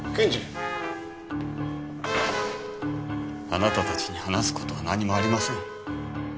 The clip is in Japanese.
あなたたちに話すことは何もありません。